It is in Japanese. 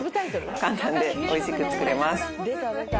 簡単でおいしく作れます。